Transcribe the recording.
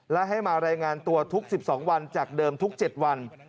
และให้มารายงานตัวทุก๑๒วันจากเดิมทุก๗วัน